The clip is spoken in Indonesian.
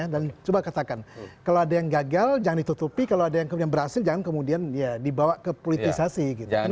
dan coba katakan kalau ada yang gagal jangan ditutupi kalau ada yang berhasil jangan kemudian dibawa ke politisasi